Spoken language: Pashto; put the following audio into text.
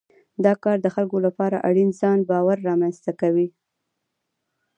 دا کار د خلکو لپاره اړین ځان باور رامنځته کوي.